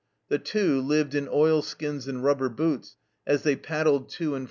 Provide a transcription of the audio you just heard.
The Two lived in oil skins and rubber boots as they paddled to and fro 4L^*W!